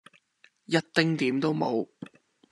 一丁點都無